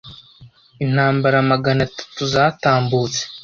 intambara magana atatu zatambutse